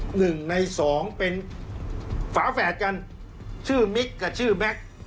หนึ่งในสองเป็นฝาแฝดกันชื่อมิกกับชื่อแม็กซ์